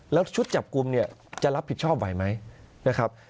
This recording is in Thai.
แล้วชุดจับกลุ่มเนี่ยจะรับผิดชอบไหวไหมนะครับ